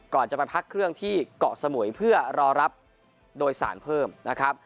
ก่อนจะไปพักเครื่องที่เกาะสมุยเพื่อรอรับโดยสารเพิ่มนะครับ